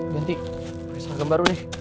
ganti aku kasih harga baru nih